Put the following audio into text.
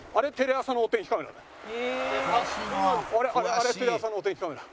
あれテレ朝のお天気カメラ。